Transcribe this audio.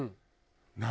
何？